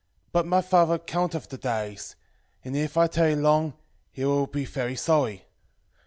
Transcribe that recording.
9:4 But my father counteth the days; and if I tarry long, he will be very sorry.